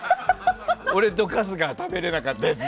俺と春日が食べられなかったやつ。